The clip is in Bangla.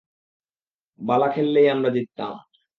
বালা খেললে আমরাই জিততাম।